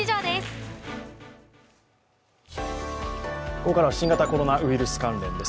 ここからは新型コロナウイルス関連です。